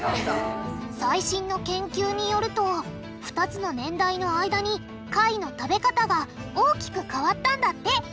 最新の研究によると２つの年代の間に貝の食べ方が大きく変わったんだって。